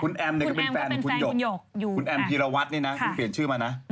คุณแอมในก็เป็นแฟนอยกคุณแอมฟีรวาตนี้นะผิดเชื่อมานะ